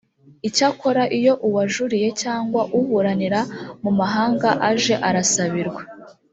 icyakora iyo uwajuriye cyangwa uburanira mumahanga aje arasabirwa